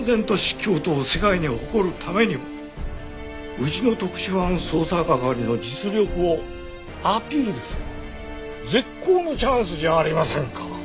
京都を世界に誇るためにもうちの特殊犯捜査係の実力をアピールする絶好のチャンスじゃありませんか。